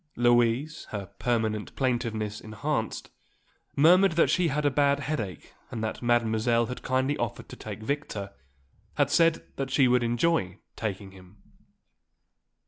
Louise, her permanent plaintiveness enhanced, murmured that she had a bad headache and that Mademoiselle had kindly offered to take Victor, had said that she would enjoy taking him.